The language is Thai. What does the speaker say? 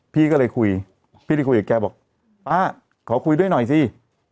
พี่ก็เลยคุยกับแกบอกป๊าขอคุยด้วยหน่อยสิ